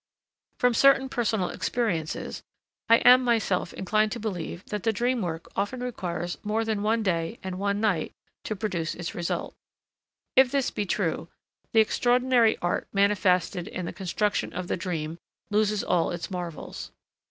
From certain personal experiences, I am myself inclined to believe that the dream work often requires more than one day and one night to produce its result; if this be true, the extraordinary art manifested in the construction of the dream loses all its marvels.